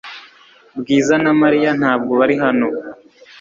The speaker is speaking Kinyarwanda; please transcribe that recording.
Bwiza na Mariya ntabwo bari hano .